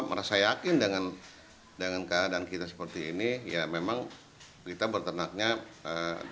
merasa yakin dengan keadaan kita seperti ini ya memang kita berternaknya ee